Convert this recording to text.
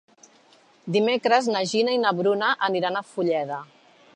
Dimecres na Gina i na Bruna aniran a Fulleda.